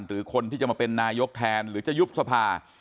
หรือคนที่จะมาเป็นนายกแทนหรือจะยุบสภา